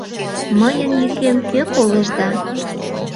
Мыйын йӱкем кӧ колеш да?